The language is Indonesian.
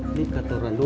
ini kata orang lu